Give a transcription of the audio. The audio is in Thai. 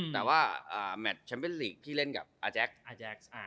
แต่ว่าแมทชัมเปญส์ฬีกที่เร่นกับอาแจ็กต์